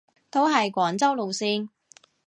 都係廣州路線